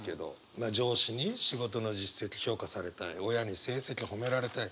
まあ上司に仕事の実績評価されたい親に成績褒められたい。